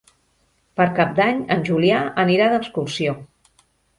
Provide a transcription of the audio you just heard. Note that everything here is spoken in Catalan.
Per Cap d'Any en Julià anirà d'excursió.